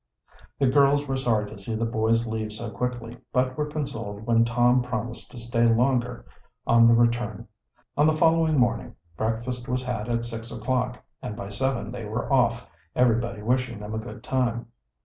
The girls were sorry to see the boys leave so quickly, but were consoled when Tom promised to stay longer on the return. On the following morning breakfast was had at six o'clock, and by seven they were off, everybody wishing them a good time.